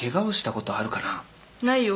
ないよ。